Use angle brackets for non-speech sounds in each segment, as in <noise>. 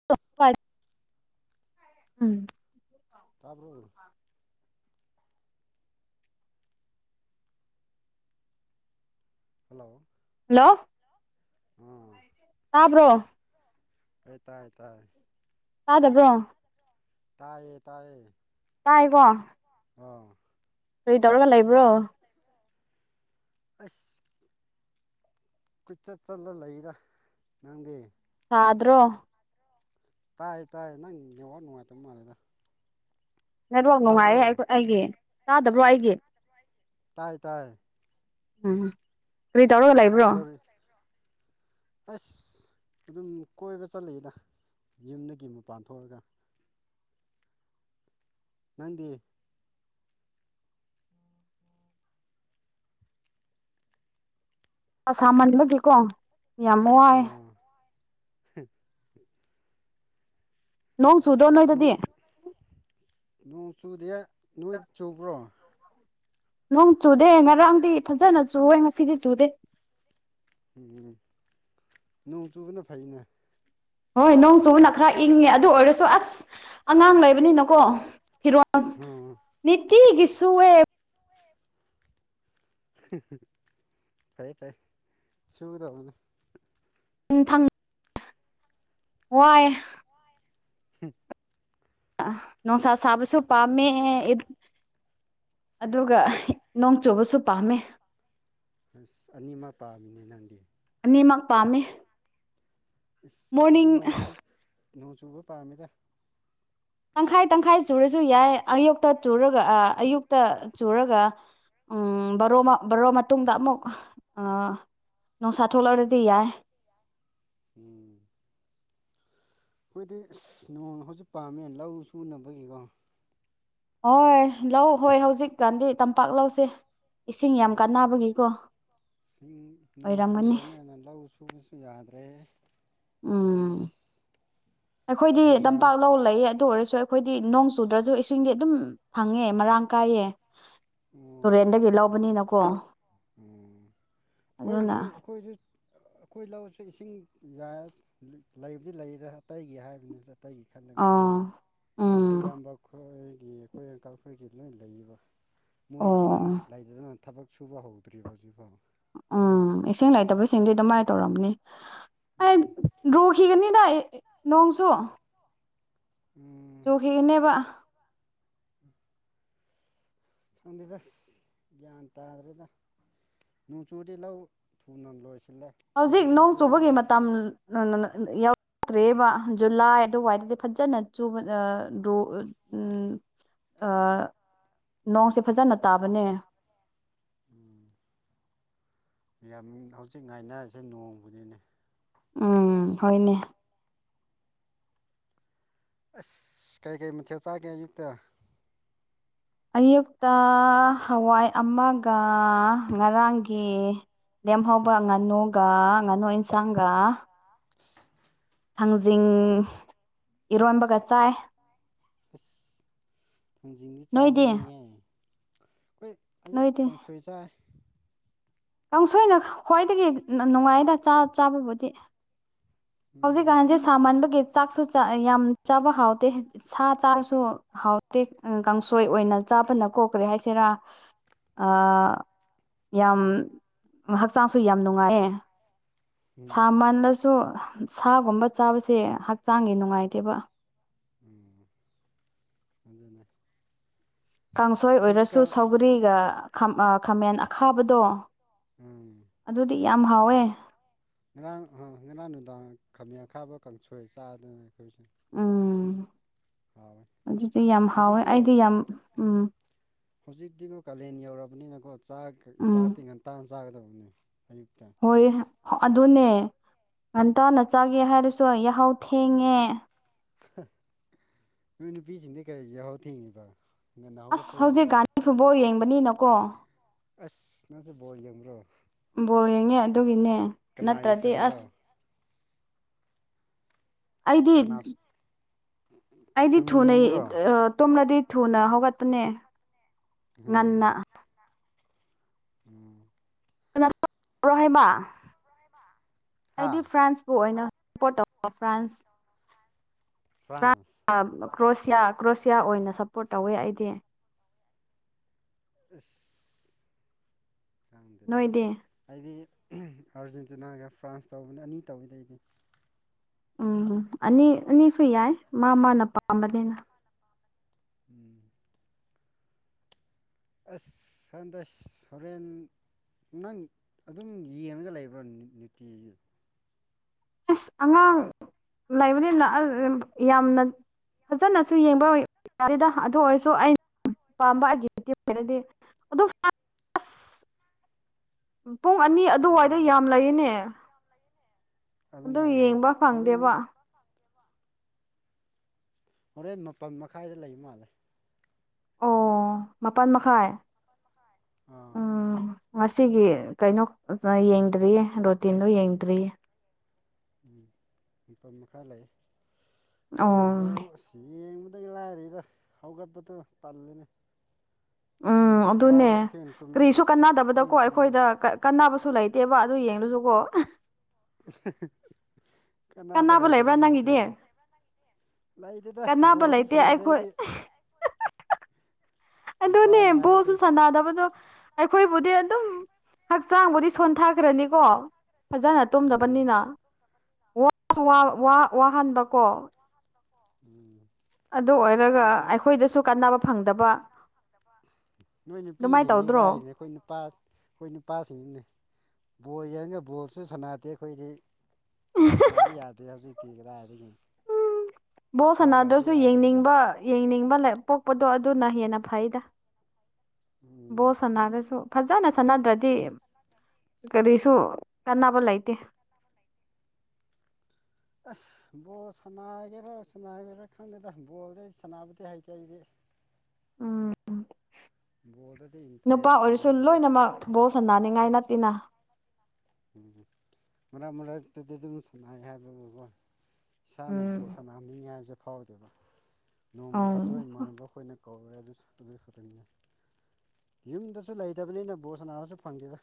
<inaudible> ꯇꯥꯕ꯭ꯔꯣ hello hello ꯑꯥ ꯇꯥꯕ꯭ꯔꯣ ꯑꯩ ꯇꯥꯏ ꯇꯥꯏ ꯇꯥꯗꯕ꯭ꯔꯣ ꯇꯥꯏꯌꯦ ꯇꯥꯏꯌꯦ ꯇꯥꯏꯀꯣ ꯑꯥ ꯀꯔꯤꯇꯧꯔꯒ ꯂꯩꯕ꯭ꯔꯣ ꯑꯁ ꯀꯣꯏꯆꯠ ꯆꯠꯂ ꯂꯩꯗ ꯅꯪꯗꯤ ꯇꯥꯗ꯭ꯔꯣ ꯇꯥꯏꯌꯦ ꯇꯥꯏ ꯅꯪ ꯅꯦꯠꯋꯥꯔꯛ ꯅꯨꯡꯉꯥꯏꯇꯕ ꯃꯥꯜꯂꯦꯗ ꯅꯦꯠꯋꯥꯔꯛ ꯇꯥꯕ꯭ꯔꯣ ꯅꯨꯡꯉꯥꯏꯌꯦ ꯑꯩ ꯑꯩꯒꯤ ꯇꯥꯗꯕ꯭ꯔꯣ ꯑꯩꯒꯤ ꯇꯥꯏ ꯇꯥꯏ ꯎꯝ ꯀꯔꯤ ꯇꯧꯔꯒ ꯂꯩ ꯀꯩꯗꯧꯔꯤ ꯑꯁ ꯑꯗꯨꯝ ꯀꯣꯏꯕ ꯆꯠꯂꯤꯗ ꯌꯨꯝꯗꯒꯤ ꯃꯄꯥꯟ ꯊꯣꯛꯑꯒ <inaudible> ꯅꯪꯗꯤ ꯑ ꯁꯥꯃꯟꯕꯒꯤꯀꯣ ꯌꯥꯝ ꯋꯥꯏ ꯑꯥ <inaudible> ꯅꯣꯡ ꯆꯨꯗ꯭ꯔꯣ ꯅꯣꯏꯗꯗꯤ ꯅꯣꯡ ꯅꯣꯡ ꯆꯨꯗꯤꯑꯦ ꯅꯣꯏ ꯆꯨꯕ꯭ꯔꯣ ꯅꯣꯡ ꯆꯨꯗꯦ ꯉꯔꯥꯡꯗꯤ ꯐꯖꯅ ꯆꯨꯏꯌꯦ ꯉꯁꯤꯗꯤ ꯆꯨꯗꯦ ꯎꯝ ꯅꯣꯡ ꯆꯨꯕꯅ ꯐꯩꯅꯦ ꯍꯣꯏ ꯅꯣꯡ ꯆꯨꯕꯅ ꯈꯔ ꯏꯪꯉꯦ ꯑꯗꯨ ꯑꯣꯏꯔꯁꯨ ꯑꯁ ꯑꯉꯥꯡ ꯂꯩꯕꯅꯤꯅꯀꯣ ꯐꯤꯔꯣ ꯑꯥ ꯅꯤꯇꯤꯒꯤꯁꯨꯋꯦ ꯐꯥꯏ ꯐꯥꯏ ꯁꯨꯗꯧꯕꯅꯦ ꯎꯝꯊꯪ ꯋꯥꯏ ꯍ ꯅꯣꯡꯁꯥ ꯁꯥꯕꯁꯨ ꯄꯥꯝꯃꯦ ꯑꯗꯨꯒ ꯅꯣꯡ ꯆꯨꯕꯁꯨ ꯄꯥꯝꯃꯦ ꯑꯁ ꯑꯅꯤꯃꯛ ꯄꯥꯝꯃꯤꯅꯦ ꯅꯪꯗꯤ ꯑꯅꯤꯃꯛ ꯄꯥꯝꯃꯤ ꯏꯁ ꯈꯣꯏꯗꯤ ꯃꯣꯔꯅꯤꯡ ꯅꯣꯡ ꯆꯨꯕ ꯅꯣꯡ ꯆꯨꯕ ꯄꯥꯝꯃꯦꯗ ꯇꯪꯈꯥꯏ ꯇꯪꯈꯥꯏ ꯆꯨꯔꯁꯨ ꯌꯥꯏ ꯑꯌꯨꯛꯇ ꯆꯨꯔꯒ ꯑ ꯑꯌꯨꯛꯇ ꯆꯨꯔꯒ ꯎꯝ ꯕꯔꯣꯃ ꯕꯔꯣ ꯃꯇꯨꯡꯗ ꯑꯃꯨꯛ ꯑ ꯅꯣꯡꯁꯥ ꯊꯣꯂꯔꯗꯤ ꯌꯥꯏ ꯎꯝ ꯑꯩꯈꯣꯏꯗꯤ ꯑꯁ ꯅꯣꯡ ꯍꯧꯖꯤꯛ ꯄꯥꯝꯃꯦ ꯂꯧ ꯁꯨꯅꯕꯒꯤꯀꯣ ꯍꯣꯏ ꯂꯧ ꯍꯣꯏ ꯍꯧꯖꯤꯛꯀꯥꯟꯗꯤ ꯇꯝꯄꯥꯛ ꯂꯧꯁꯦ ꯏꯁꯤꯡ ꯌꯥꯝ ꯎꯝ ꯀꯥꯟꯅꯕꯒꯤꯀꯣ ꯁꯤꯡ ꯅꯣꯡ ꯑꯣꯏꯔꯝꯒꯅꯤ ꯆꯨꯗꯕꯅꯦꯅ ꯂꯧ ꯁꯨꯕꯁꯨ ꯌꯥꯗ꯭ꯔꯦ ꯎꯝ ꯑꯗꯨꯅ ꯑꯩꯈꯣꯏꯗꯤ ꯅꯨꯡꯁꯥ ꯇꯝꯄꯥꯛ ꯉꯥꯛ ꯂꯧ ꯂꯩꯌꯦ ꯑꯗꯨ ꯑꯣꯏꯔꯁꯨ ꯑꯈꯣꯏꯗꯤ ꯅꯣꯡ ꯆꯨꯗ꯭ꯔꯁꯨ ꯏꯁꯤꯡꯗꯤ ꯑꯗꯨꯝ ꯐꯪꯉꯦ ꯃꯔꯥꯡ ꯀꯥꯏꯌꯦ ꯑꯣ ꯇꯣꯔꯦꯟꯗꯒꯤ ꯂꯧꯕꯅꯤꯅꯀꯣ ꯑꯗꯨꯅ ꯈꯣꯏꯁꯨ ꯑꯩꯈꯣꯏꯁꯨ ꯑꯈꯣꯏ ꯂꯧꯁꯦ ꯏꯁꯤꯡ ꯌꯥꯏ ꯂꯩꯕꯨꯗꯤ ꯂꯩꯗ ꯑꯇꯩꯒꯤ ꯍꯥꯏꯕꯅꯤꯗ ꯑꯇꯩꯒꯤ ꯈꯜꯂꯒ ꯑꯥ ꯑꯈꯣꯏ ꯎꯝ ꯏꯌꯥꯝꯕ ꯈꯣꯏꯒꯤ ꯑꯈꯣꯏ ꯑꯪꯀꯜ ꯈꯣꯏꯒꯤ ꯂꯣꯏ ꯂꯩꯌꯦꯕ ꯑꯣ ꯃꯣꯏꯁꯤꯡ ꯂꯩ ꯗꯅ ꯊꯕꯛ ꯁꯨꯕ ꯍꯧꯗ꯭ꯔꯤꯕ ꯍꯣꯖꯐꯥꯎ ꯑꯥ ꯏꯁꯤꯡ ꯂꯩꯇꯕꯁꯤꯡꯗꯤ ꯑꯗꯨꯃꯥꯏ ꯇꯧꯔꯝꯅꯤ ꯎꯝ ꯗ꯭ꯔꯨꯈꯤꯒꯅꯤꯗ ꯅꯣꯡꯁꯨ ꯎꯝ ꯇꯨꯈꯤꯒꯅꯦꯕ <inaudible> ꯈꯟꯗꯦꯗ ꯒ꯭ꯌꯥꯟ ꯇꯥꯗ꯭ꯔꯦꯗ ꯅꯣꯡꯆꯨꯗꯤ ꯂꯧ ꯊꯨꯅ ꯂꯣꯏꯁꯤꯜꯂꯦ ꯍꯧꯖꯤꯛ ꯅꯣꯡ ꯆꯨꯗ꯭ꯔꯗꯤ ꯑꯗꯨꯝ ꯆꯨꯕꯒꯤ ꯃꯇꯝ <unintelligible> ꯌꯥꯎꯔꯛꯇ꯭ꯔꯦꯕ ꯖꯨꯂꯥꯏ ꯑꯗꯨ ꯋꯥꯏꯗꯗꯤ ꯐꯖꯅ ꯆꯨꯕ ꯑꯥ ꯔꯨ ꯎꯝ ꯑꯥ ꯅꯣꯡꯁꯦ ꯐꯖꯅ ꯇꯥꯕꯅꯦ ꯎꯝ ꯌꯥꯝ ꯍꯧꯖꯤꯛ ꯉꯥꯏꯅꯔꯁꯦ ꯅꯣꯡꯕꯨꯅꯤꯅꯦ ꯎꯝ ꯍꯣꯏꯅꯦ ꯑꯁ ꯀꯩ ꯀꯩ ꯃꯊꯦꯜ ꯆꯥꯒꯦ ꯑꯌꯨꯛꯇ ꯑꯌꯨꯛꯇ ꯍꯋꯥꯏ ꯑꯃꯒ ꯉꯔꯥꯡꯒꯤ ꯂꯦꯝ ꯍꯧꯕ ꯉꯥꯅꯨꯒ ꯉꯥꯅꯨ ꯏꯦꯟꯁꯥꯡꯒ <inaudible> ꯊꯥꯡꯖꯤꯡ ꯏꯔꯣꯟꯕꯒ ꯆꯥꯏ ꯑꯁ ꯊꯖꯤꯡꯗꯤ ꯅꯣꯏꯗꯤ ꯆꯥꯅꯤꯡꯉꯤꯍꯦ ꯑꯩꯈꯣꯏ ꯑꯌꯨꯛ ꯅꯣꯏꯗꯤ ꯀꯥꯡ ꯊꯣꯏꯆꯥꯏ ꯀꯥꯡꯁꯣꯏꯅ ꯈ꯭ꯋꯥꯏꯗꯒꯤ ꯅꯨꯡꯉꯥꯏꯅ ꯆꯥ ꯆꯥꯕꯕꯨꯗꯤ ꯎꯝ ꯍꯧꯖꯤꯛꯀꯥꯟꯖꯦ ꯁꯥꯃꯟꯕꯒꯤ ꯆꯥꯛꯁꯨ ꯌꯥꯝ ꯆꯥꯕ ꯍꯥꯎꯇꯦ ꯁꯥ ꯆꯥꯔꯁꯨ ꯍꯥꯎꯇꯦ ꯀꯥꯡꯁꯣꯏ ꯑꯣꯏꯅ ꯆꯥꯕꯅ ꯀꯣ ꯀꯔꯤ ꯍꯥꯏꯁꯤꯔꯥ ꯑꯥ ꯌꯥꯝ ꯍꯛꯆꯥꯡꯁꯨ ꯌꯥꯝ ꯅꯨꯡꯉꯥꯏꯌꯦ ꯎꯝ ꯁꯥꯃꯟꯂꯁꯨ ꯁꯥꯒꯨꯝꯕ ꯆꯥꯕꯁꯦ ꯍꯛꯆꯥꯡꯒꯤ ꯅꯨꯡꯉꯥꯏꯇꯦꯕ ꯎꯝ ꯑꯗꯨꯅꯦ ꯀꯥꯡꯁꯣꯏ ꯑꯣꯏꯔꯁꯨ ꯍꯧꯖꯤꯛꯀꯥꯟ ꯁꯧꯒꯔꯤꯒ ꯈꯥꯝ ꯑ ꯈꯥꯃꯦꯟ ꯑꯈꯥꯕꯗꯣ ꯎꯝ ꯑꯗꯨꯗꯤ ꯌꯥꯝ ꯍꯥꯎꯋꯦ ꯉꯔꯥꯡ ꯑ ꯉꯔꯥꯡ ꯅꯨꯡꯗꯥꯡ ꯈꯥꯃꯦꯟ ꯑꯈꯥꯕ ꯀꯥꯡꯁꯣꯏ ꯆꯥꯗꯅ ꯑꯩꯈꯣꯏꯁꯨ ꯎꯝ ꯍꯥꯎꯋꯦ ꯑꯗꯨꯗꯤ ꯌꯥꯝ ꯍꯥꯎꯋꯦ ꯍꯧꯖꯤꯛꯀꯣ ꯑꯩꯗꯤ ꯌꯥꯝ ꯎꯝ ꯍꯧꯖꯤꯛꯇꯤꯒꯣ ꯀꯥꯂꯦꯟ ꯌꯧꯔꯕꯅꯤꯅꯀꯣ ꯆꯥꯛ ꯎꯝ ꯆꯥꯛꯇꯤ ꯉꯟꯇꯥ ꯆꯥꯒꯗꯕꯅꯦ ꯑꯌꯨꯛꯇ ꯍꯣꯏ ꯑꯗꯨꯅꯦ ꯉꯟꯇꯥꯅ ꯆꯥꯒꯦ ꯍꯥꯏꯔꯁꯨ ꯌꯥꯍꯧ ꯊꯦꯡꯉꯦ ꯅꯣꯏ ꯅꯨ ꯄꯤ ꯖꯤꯡꯗꯤ ꯀꯩꯒꯤ ꯌꯍꯧꯊꯦꯡꯉꯤꯕ ꯑꯁ ꯍꯧꯖꯤꯛ ꯒꯥꯥꯟꯅꯤ ꯐꯨꯠꯕꯣꯜ ꯌꯦꯡꯕꯅꯤꯅꯀꯣ ꯑꯁ ꯅꯪꯁꯦ ꯕꯣꯜ ꯌꯦꯡꯕ꯭ꯔꯣ ꯕꯣꯜ ꯌꯦꯡꯉꯦ ꯑꯗꯨꯒꯤꯅꯦ ꯀꯅꯥꯒꯤ ꯅꯠꯇ꯭ꯔꯗꯤ ꯐꯦꯟꯔꯣ ꯑꯁ ꯑꯩꯗꯤ ꯀꯅꯥ ꯑꯩꯗꯤ ꯁꯨꯝ ꯊꯨꯅ ꯌꯦꯡꯕ꯭ꯔꯣ ꯑꯥ ꯇꯨꯝꯂꯗꯤ ꯊꯨꯅ ꯍꯧꯒꯠꯄꯅꯦ ꯎꯝ ꯉꯟꯅ ꯎꯝ <unintelligible> ꯍꯥ ꯑꯩꯗꯤ ꯐ꯭ꯔꯥꯟꯁꯄꯨ ꯑꯣꯏꯅ <unintelligible> ꯐ꯭ꯔꯥꯟꯁ <unintelligible> ꯐ꯭ꯔꯥꯟꯁ ꯀ꯭ꯔꯣꯁꯤꯌꯥ ꯀ꯭ꯔꯣꯁꯤꯌꯥ ꯑꯣꯏꯅ ꯁꯞꯄꯣꯔꯠ ꯇꯧꯋꯦ ꯑꯩꯗꯤ ꯑꯁ ꯈꯪꯗꯦꯗ ꯅꯣꯏꯗꯤ ꯑꯩꯗꯤ ꯑꯥꯔꯖꯦꯟꯇꯤꯅꯥꯒ ꯐ꯭ꯔꯥꯟꯁ ꯇꯧꯕꯅꯤ ꯑꯅꯤ ꯇꯧꯋꯤꯗ ꯑꯩꯗꯤ ꯎꯝ ꯑꯅꯤ ꯑꯅꯤꯁꯨ ꯌꯥꯏ ꯃꯥ ꯃꯥꯅ ꯄꯥꯝꯕꯅꯤꯅ ꯎꯝ ꯑꯁ ꯁꯟꯗꯦꯁ ꯍꯣꯔꯦꯟ ꯅꯪ ꯑꯗꯨꯝ ꯌꯦꯡꯉꯒ ꯂꯩꯕ꯭ꯔꯣ ꯅꯨꯇꯤꯒꯤ ꯑꯁ ꯑꯉꯥꯡ ꯂꯩꯕꯅꯤꯅ ꯑ ꯌꯥꯝꯅ ꯐꯖꯅꯁꯨ ꯌꯦꯡꯕ ꯌꯥꯗꯦꯗ ꯑꯗꯨ ꯑꯣꯏꯔꯁꯨ ꯑꯩ ꯄꯥꯝꯕ <unintelligible> ꯑꯁ ꯄꯨꯡ ꯑꯅꯤ ꯑꯗꯨꯋꯥꯏꯗ ꯎꯝ ꯌꯥꯝ ꯂꯩꯌꯦꯅꯦ ꯑꯗꯨ ꯑꯗꯨꯅꯦ ꯌꯦꯡꯕ ꯍꯣꯔꯦꯟ ꯐꯪꯗꯦꯕ ꯍꯣꯔꯦꯟ ꯃꯄꯟ ꯃꯈꯥꯏꯗ ꯂꯩꯕ ꯃꯥꯜꯂꯦ ꯃꯄꯟ ꯃꯈꯥꯏ ꯑꯥ ꯎꯝ ꯉꯁꯤꯒꯤ ꯀꯩꯅꯣ <unintelligible> ꯌꯦꯡꯗ꯭ꯔꯤꯌꯦ ꯔꯣꯇꯤꯟꯗꯣ ꯌꯦꯡꯗ꯭ꯔꯤꯌꯦ ꯎꯝ ꯃꯄꯟ ꯃꯈꯥꯏ ꯂꯩ ꯈꯪꯗꯦ ꯑꯣ ꯕꯣꯜ ꯑꯁ ꯌꯦꯡꯕꯗꯤ ꯂꯥꯏꯔꯤꯗ ꯍꯧꯒꯠꯄꯗꯨ ꯇꯜꯂꯤꯅꯦ ꯎꯝ ꯑꯗꯨꯅꯦ ꯉꯔꯥꯡꯁꯨ ꯊꯦꯡ ꯇꯨꯝꯃꯦ ꯀꯔꯤꯁꯨ ꯊꯦꯡ ꯀꯥꯟꯅꯗꯕꯗꯀꯣ ꯇꯨꯝꯃꯦ ꯑꯩꯈꯣꯏꯗ ꯀꯥꯟꯅꯕꯁꯨ ꯂꯩꯇꯦꯕ ꯑꯗꯨ ꯌꯦꯡꯂꯁꯨꯀꯣ ꯀꯅꯥꯕ ꯀꯥꯟꯅꯕ ꯂꯩꯕ꯭ꯔꯥ ꯂꯩꯇꯕꯒꯤꯅꯤ ꯅꯪꯒꯤꯗꯤ ꯑꯗꯨꯒꯤꯅꯤ ꯂꯩꯇꯧꯗ ꯀꯥꯟꯅꯕ ꯕꯣꯁꯨ ꯂꯩꯇꯦ ꯁꯅꯥꯗꯦ ꯑꯩꯈꯣꯏ ꯑꯩꯗꯤ ꯑꯗꯨꯅꯦ ꯅꯨꯄꯥꯅꯤ ꯍꯥꯏ ꯕꯣꯜꯁꯨ ꯑꯩꯈꯣꯏ ꯁꯥꯟꯅꯥꯗꯕꯗꯣ ꯑꯩꯈꯣꯏꯕꯨꯗꯤ ꯑꯗꯨꯝ ꯍꯛꯆꯥꯡꯕꯨꯗꯤ ꯁꯣꯟꯊꯈ꯭ꯔꯅꯤꯀꯣ ꯐꯖꯅ ꯎꯝ ꯇꯨꯝꯗꯕꯅꯤꯅ ꯋꯥꯁꯨ ꯎꯝ ꯋꯥ ꯋꯥꯍꯟꯕꯀꯣ ꯎꯝ ꯑꯗꯨ ꯑꯣꯏꯔꯒ ꯑꯩꯈꯣꯏꯗꯤ ꯑꯩꯈꯣꯏꯗꯁꯨ ꯀꯥꯟꯅꯕ ꯐꯪꯗꯕ ꯅꯣꯏ ꯑꯗꯨꯃꯥꯏꯅ ꯅꯨꯄꯤꯁꯤꯡꯗꯤ ꯇꯧꯗ꯭ꯔꯣ ꯂꯥꯏꯔꯤꯅꯦ ꯑꯩꯈꯣꯏ ꯅꯨꯄꯥ ꯑꯩꯈꯣꯏ ꯅꯨꯄꯥꯁꯤꯡꯅꯤꯅꯦ ꯕꯣꯜ ꯌꯦꯔꯒ ꯕꯣꯜꯁꯨ ꯁꯥꯟꯅꯗꯦ ꯑꯩꯈꯣꯏꯗꯤ ꯁꯥꯟꯅꯥꯕ ꯌꯥꯗꯦ ꯍꯧꯖꯤꯛꯇꯤ ꯀꯗꯥꯥꯏꯗꯒꯤ ꯕꯣꯜ ꯁꯅꯥꯗ꯭ꯔꯁꯨ ꯌꯦꯡꯅꯤꯡꯕ ꯌꯦꯡꯅꯤꯡꯕ ꯂꯩ ꯄꯣꯛꯄꯗꯣ ꯑꯗꯨꯅ ꯍꯦꯟꯅ ꯐꯩꯗ ꯎꯝ ꯕꯣꯜ ꯁꯥꯟꯅꯔꯁꯨ ꯐꯖꯅ ꯁꯥꯟꯅꯗ꯭ꯔꯗꯤ ꯀꯔꯤꯁꯨ ꯀꯥꯟꯅꯕ ꯂꯩꯇꯦ ꯑꯁ ꯕꯣꯜ ꯁꯥꯟꯅꯒꯦꯔꯥ ꯁꯥꯟꯅꯒꯦꯔꯥ ꯈꯪꯗꯦꯗ ꯕꯣꯜꯗꯤ ꯑꯩ ꯁꯥꯟꯅꯕꯗꯤ ꯍꯩꯇꯦ ꯑꯩꯗꯤ ꯎꯝ ꯕꯣꯜꯗꯗꯤ ꯅꯨꯄꯥ ꯏꯟꯇꯔꯦꯁ ꯑꯣꯏꯔꯁꯨ ꯂꯩꯗꯦꯗ ꯂꯣꯏꯅꯃꯛ ꯕꯣꯜ ꯁꯥꯟꯅꯅꯤꯡꯉꯥꯏ ꯅꯠꯇꯦꯅ ꯎꯝ ꯃꯔꯛ ꯃꯔꯛꯇꯗꯤ ꯑꯗꯨꯝ ꯁꯅꯥꯏ ꯍꯥꯏꯕꯕꯨꯀꯣ ꯏꯁꯥꯅ ꯎꯝ ꯕꯣꯜ ꯁꯥꯟꯅꯅꯤꯡꯉꯤ ꯍꯥꯏꯕꯁꯦ ꯐꯥꯎꯗꯦꯕ ꯅꯣꯡꯃ ꯎꯝ ꯐꯥꯠꯇꯣꯛ ꯏꯃꯥꯟꯅꯕ ꯈꯣꯏꯅ ꯀꯧꯔꯦ ꯑꯗꯨꯁꯨ ꯑꯗꯨ <unintelligible> ꯌꯨꯝꯗꯁꯨ ꯂꯩꯇꯕꯅꯤꯅ ꯕꯣꯜ ꯁꯥꯟꯅꯕꯁꯨ ꯐꯪꯗꯦꯗ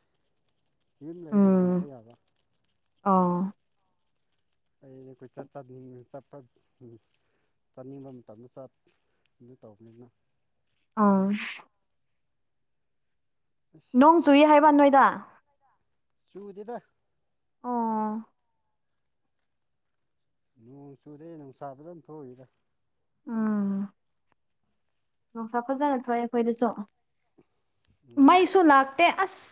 ꯌꯨꯝ ꯂꯩꯗꯤ ꯎꯝ ꯁꯥꯟꯅꯕ ꯌꯥꯕ ꯑꯣ ꯑꯩ <unintelligible> ꯆꯠꯄ ꯆꯠꯅꯤꯡꯕ ꯃꯇꯝꯗ ꯆꯠ ꯑꯗꯨ ꯇꯧꯕꯅꯤꯅ ꯑꯥ ꯑꯁ ꯅꯣꯡ ꯆꯨꯏ ꯍꯥꯏꯕ ꯅꯣꯏꯗ ꯆꯨꯗꯦꯗ ꯑꯣ ꯅꯣꯡ ꯆꯨꯨꯔꯦ ꯅꯨꯡꯁꯥ ꯐꯖꯟ ꯊꯣꯏꯗ ꯎꯝ ꯅꯨꯡꯁꯥ ꯐꯖꯅ ꯊꯣꯑꯦ ꯑꯩꯈꯣꯏꯗꯁꯨ ꯎꯝ ꯃꯩꯁꯨ ꯂꯥꯛ ꯇꯦ ꯑꯁ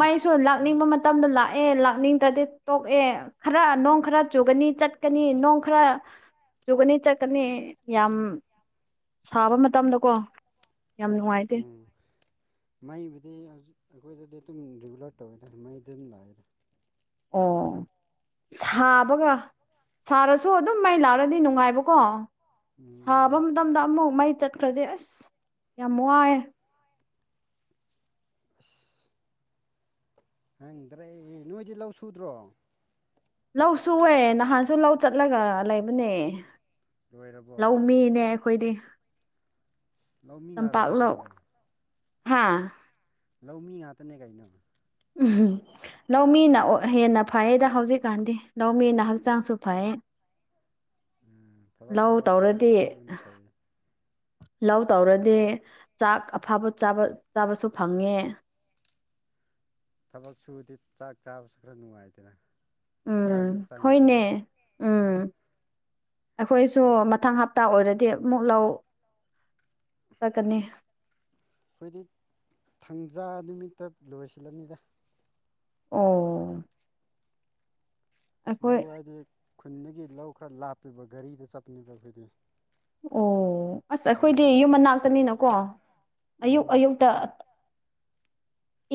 ꯃꯩꯁꯨ ꯃꯩ ꯂꯥꯛꯅꯤꯡꯕ ꯃꯇꯝꯗ ꯂꯥꯑꯦ ꯂꯥꯛꯅꯤꯡꯗꯗꯤ ꯇꯣꯛꯑꯦ ꯈꯔ ꯅꯣꯡ ꯈꯔ ꯆꯨꯒꯅꯤ ꯆꯠꯀꯅꯤ ꯅꯣꯡ ꯈꯔ ꯆꯨꯒꯅꯤ ꯆꯠꯀꯅꯤ ꯌꯥꯝ ꯁꯥꯕ ꯃꯇꯝꯗꯀꯣ ꯌꯥꯝ ꯅꯨꯡꯉꯥꯏ ꯎꯝ ꯃꯩꯕꯨꯗꯤ ꯍꯧꯖꯤꯛ ꯑꯈꯣꯏꯗꯗꯤ ꯑꯗꯨꯝ ꯔꯤꯒꯨꯂꯔ ꯇꯧꯋꯦꯗ ꯃꯩꯗꯤ ꯑꯗꯨꯝ ꯂꯥꯑ‌ꯦꯗ ꯑꯣ ꯁꯥꯕꯒ ꯁꯥꯔꯁꯨ ꯑꯗꯨꯝ ꯃꯩ ꯂꯥꯛꯔꯗꯤ ꯅꯨꯡꯉꯥꯏꯕꯀꯣ ꯎꯝ ꯁꯥꯕ ꯃꯇꯝꯗ ꯑꯃꯨꯛ ꯃꯩ ꯆꯠꯈ꯭ꯔꯗꯤ ꯑꯁ ꯌꯥꯝ ꯋꯥꯏꯌ‌ꯦ <unintelligible> ꯈꯪꯗ꯭ꯔ‌ꯦ ꯅꯣꯏꯗꯤ ꯂꯧ ꯁꯨꯗ꯭ꯔꯣ ꯂꯧ ꯁꯨꯋ‌ꯦ ꯅꯍꯥꯟꯁꯨ ꯂꯧ ꯆꯠꯂꯒ ꯂꯩꯕꯅꯦ ꯂꯣꯏꯔꯕꯣ ꯂꯧ ꯃꯤꯅꯦ ꯈ‌ꯣꯏꯗꯤ ꯂꯧꯃꯤ ꯉꯥꯛꯇꯅꯤ ꯇꯝꯄꯥꯛꯂꯣ ꯀꯩꯅꯣ ꯍꯥ ꯂꯧꯃꯤ ꯉꯥꯇꯅꯦ ꯀꯩꯅꯣ <unintelligible> ꯂꯧꯃꯤꯅ ꯑ‌ꯣ ꯍꯦꯟꯅ ꯐꯩꯌꯦꯗ ꯍꯧꯖꯤꯛꯀꯥꯟꯗꯤ ꯂꯧꯃꯤꯅ ꯍꯛꯆꯥꯡꯁꯨ ꯐꯩ ꯎꯝ ꯊꯕꯛ ꯂꯧ ꯊꯕꯛ ꯈꯔ ꯇꯧꯔꯗꯤ ꯈꯔ ꯁꯨꯕꯅ ꯐꯩ ꯂꯧ ꯇꯧꯔꯗꯤ ꯆꯥꯛ ꯑꯐꯕꯥ ꯆꯥꯕ ꯆꯥꯕꯁꯨ ꯐꯪꯉꯦ ꯊꯕꯛ ꯁꯨꯑꯗꯤ ꯆꯥꯛ ꯆꯥꯕꯁꯨ ꯈꯔ ꯅꯨꯡꯉꯥꯏꯗꯅ ꯆꯥꯛꯁꯨ ꯎꯝ ꯆꯪꯉꯤꯗꯅ ꯍ‌ꯣꯏꯅꯦ ꯎꯝ ꯑꯈꯣꯏꯁꯨ ꯃꯊꯪ ꯍꯞꯇꯥ ꯑꯣꯏꯔꯗꯤ ꯑꯃꯨꯛ ꯂꯧ ꯆꯠꯀꯅꯤ ꯈꯣꯏꯗꯤ ꯊꯪꯖꯥ ꯅꯨꯃꯤꯠꯇ ꯂꯣꯏꯁꯤꯜꯂꯅꯤꯗ ꯑꯣ ꯑꯩꯈꯣꯏ ꯂꯧ ꯍꯥꯏꯗꯤ ꯈꯨꯟꯗꯒꯤ ꯂꯧ ꯈꯔ ꯂꯥꯞꯄꯤꯕ ꯒꯥꯔꯤꯗ ꯆꯠꯄꯅꯦꯕ ꯑꯈꯣꯏꯗꯤ ꯑꯣ ꯑꯁ ꯑꯈꯣꯏꯗꯤ ꯌꯨꯝ ꯃꯅꯥꯛ ꯇꯅꯤꯅꯀꯣ ꯑꯌꯨꯛ ꯑꯌꯨꯛꯇ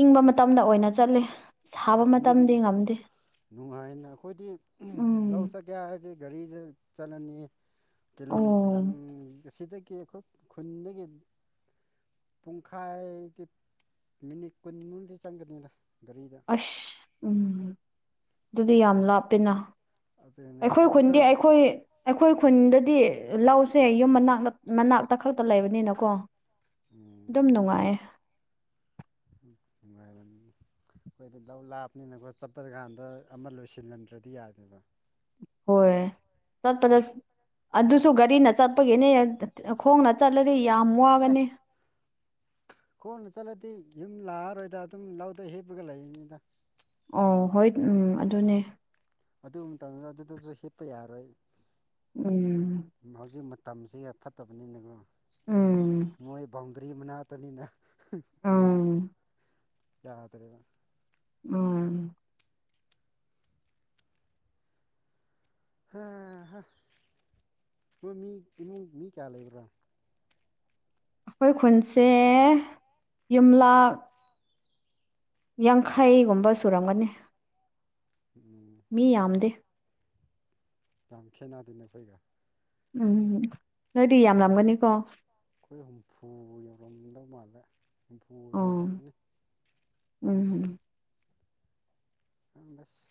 ꯏꯪꯕ ꯃꯇꯝꯗ ꯑꯣꯏꯅ ꯆꯠꯂꯤ ꯑꯁ ꯅꯣꯏꯗꯤꯟ ꯅꯨꯉꯥꯏꯅ ꯈꯣꯏꯗꯤ ꯎꯝ ꯂꯧ ꯆꯠꯀꯦ ꯍꯥꯏꯔꯗꯤ ꯒꯥꯔꯤꯗ ꯆꯠꯂꯅꯤ ꯀꯤꯂꯣꯃꯤꯠ ꯎꯝ ꯑꯣ ꯑꯁꯤꯗꯒꯤ ꯑꯩꯈꯣꯏ ꯈꯨꯟꯗꯒꯤ ꯄꯨꯡꯈꯥꯏꯗꯤꯞ ꯃꯤꯅꯤꯠ ꯀꯨꯟꯃꯨꯛꯗꯤ ꯆꯪꯒꯅꯤꯗ ꯒꯥꯔꯤꯗ ꯑꯁ ꯎꯝ ꯗꯨꯗꯤ ꯌꯥꯝ ꯂꯥꯞꯄꯦꯅ ꯑꯗꯨꯅꯦ ꯑꯩꯈꯣꯏ ꯑꯗꯨꯗ ꯈꯨꯟꯗꯤ ꯑꯩꯈꯣꯏ ꯑꯩꯈꯣꯏ ꯈꯨꯟꯗꯗꯤ ꯂꯧꯁꯦ ꯌꯨꯝ ꯃꯅꯥꯛ ꯅꯠ ꯃꯅꯥꯛꯇ ꯈꯛꯇ ꯂꯩꯕꯅꯤꯅꯀꯣ ꯗꯨꯝ ꯅꯨꯡꯉꯥꯏ ꯎꯝ ꯅꯨꯉꯥꯏꯌꯝꯅꯤ ꯈꯣꯏꯗꯤ ꯂꯧ ꯂꯥꯞꯅꯤꯅꯀꯣ ꯆꯠꯄ ꯒꯥꯟꯗ ꯑꯃꯥ ꯂꯣꯏꯁꯤꯜ ꯂꯝꯗ꯭ꯔꯗꯤ ꯌꯥꯗꯕ ꯍꯣꯏ ꯆꯠꯄꯗꯁ ꯑꯗꯨꯁꯨ ꯒꯥꯔꯤꯅ ꯆꯠꯄꯒꯤꯅꯦ <unintelligible> ꯈꯣꯡꯅ ꯆꯠꯂꯗꯤ ꯌꯥꯝ ꯑ‌ꯦ ꯋꯥꯒꯅꯤ ꯈꯣꯡꯅ ꯆꯠꯂꯗꯤ ꯌꯨꯝ ꯂꯥꯑꯔꯣꯏꯗ ꯑꯗꯨꯝ ꯂꯧꯗ ꯍꯤꯞꯄꯒ ꯂꯩꯅꯤꯗ ꯑꯣ ꯍꯣꯏꯠ ꯎꯝ ꯑꯗꯨꯅꯦ ꯑꯗꯨ ꯃꯇꯝꯗꯨꯗꯥ ꯑꯗꯨꯗꯥꯖꯨ ꯍꯤꯞꯄ ꯌꯥꯔꯣꯏ ꯎꯝ ꯎꯝ ꯍꯧꯖꯤꯛ ꯃꯇꯝꯁꯤ ꯌꯥ ꯐꯠꯇꯕꯅꯤꯅꯀꯣ ꯎꯝ ꯃꯣꯏ ꯕꯥꯎꯟꯗ꯭ꯔꯤ ꯃꯅꯥꯛꯇꯥꯅꯤꯅ ꯎꯝ ꯌꯥꯗ꯭ꯔꯦꯕ ꯎꯝ ꯈꯥ ꯍꯥ ꯅꯣꯏ ꯃꯤ ꯏꯃꯨꯡ ꯃꯤ ꯀꯌꯥ ꯂꯩꯕ꯭ꯔꯥ ꯈꯣꯏ ꯈꯨꯟꯁꯦ ꯌꯨꯝꯂꯥꯛ ꯌꯥꯡꯈꯩꯒꯨꯝꯕ ꯁꯨꯔꯝꯒꯥꯅꯤ ꯎꯝ ꯃꯤ ꯌꯥꯝꯗꯦ ꯌꯥꯝ ꯈꯦꯅꯥꯗꯦꯅꯦ ꯑꯈꯣꯏꯒꯥ ꯎꯝ ꯅꯣꯏꯗꯤ ꯌꯥꯝꯂꯝꯒꯥꯅꯤꯀꯣ ꯈꯣꯏ ꯍꯨꯝꯐꯨ ꯌꯧꯔꯝꯗꯧ ꯃꯥꯜꯂꯦ ꯍꯨꯝꯐꯨ ꯑꯣ ꯌꯧꯔꯝꯅꯤ ꯎꯝ ꯈꯪꯗꯁ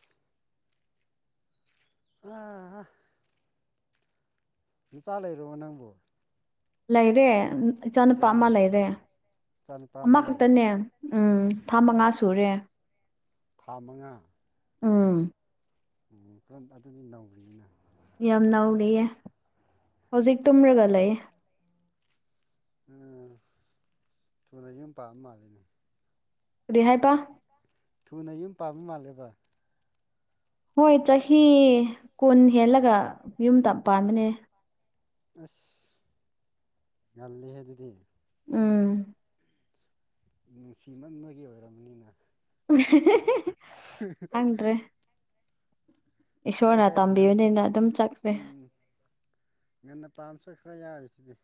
ꯑꯥ ꯍꯥ ꯅꯆꯥ ꯂꯩꯔꯕꯣ ꯅꯪꯕꯨ ꯂꯩꯔꯦ ꯏꯆꯥꯅꯨꯄꯥ ꯀꯌꯥ ꯑꯃ ꯂꯩꯔꯕꯣ ꯂꯩꯔꯦ ꯏꯆꯥꯅꯨꯄꯥ ꯑꯃ ꯂꯩꯔꯦ ꯑꯃꯈꯛꯇꯥꯅꯦ ꯎꯝ ꯊꯥ ꯑꯣ ꯃꯉꯥ ꯁꯨꯔꯦ ꯊꯥ ꯃꯉꯥ ꯎꯝ ꯑꯣ ꯀ꯭ꯔꯝ ꯑꯗꯨꯗꯤ ꯅꯧꯔꯤꯅꯤꯅ ꯌꯥꯝ ꯅꯧꯔꯤꯌꯦ ꯍꯧꯖꯤꯛ ꯇꯨꯝꯔꯒ ꯂꯩ ꯑꯥ ꯊꯨꯅ ꯌꯨꯝ ꯄꯥꯝ ꯃꯥꯜꯂꯤꯅꯦ ꯀꯔꯤ ꯍꯥꯏꯕ ꯊꯨꯅ ꯌꯨꯝ ꯄꯥꯝꯕ ꯃꯥꯜꯂꯦꯕ ꯍꯣꯏ ꯆꯍꯤ ꯀꯨꯟ ꯍꯦꯜꯂꯒ ꯌꯨꯝꯇꯥ ꯄꯥꯟꯕꯅꯦ ꯑꯁ ꯉꯟꯂꯤꯍꯦ ꯑꯗꯨꯗꯤ ꯎꯝ ꯅꯨꯡꯁꯤꯃꯟꯕꯒꯤ ꯑꯣꯏꯔꯝꯒꯅꯤꯅ <unintelligible> ꯈꯪꯗ꯭ꯔꯦ <unintelligible> ꯐꯩ ꯏꯁꯣꯔꯅ ꯐꯩ ꯉꯟ ꯇꯝꯕꯤꯕꯅꯤꯅ ꯑꯗꯨꯝ ꯆꯠꯈ꯭ꯔꯦ ꯎꯝ ꯉꯟꯅ ꯄꯥꯝꯃꯁꯨ ꯈꯔ ꯌꯥꯔꯤꯁꯤꯗꯤ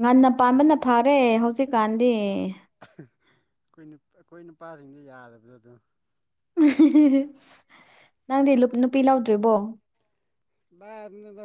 ꯉꯟꯅ ꯄꯥꯝꯕꯅ ꯐꯥꯔꯦ ꯍꯧꯖꯤꯛꯀꯥꯟꯗꯤ ꯈꯣꯏ ꯅꯨꯞ ꯑꯈꯣꯏ ꯅꯨꯄꯥꯁꯤꯡꯗꯤ ꯌꯥꯗꯕꯗꯣ ꯑꯗꯨꯝ ꯅꯪꯗꯤ ꯂꯨꯞ ꯅꯨꯄꯤ ꯂꯧꯗ꯭ꯔꯤꯕꯣ ꯗꯥꯏꯗꯩꯅꯣꯗ